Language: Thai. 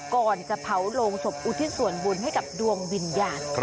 ก่อนจะเผาโรงศพอุทิศส่วนบุญให้กับดวงวิญญาณ